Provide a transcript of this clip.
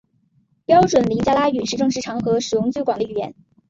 标准林加拉语是正式场合使用最广的语言。